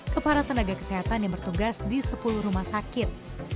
ke para tenaga kesehatan yang bertugas di sepuluh rumah sakit